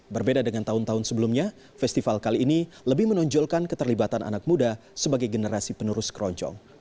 berbeda dengan tahun tahun sebelumnya festival kali ini lebih menonjolkan keterlibatan anak muda sebagai generasi penerus keroncong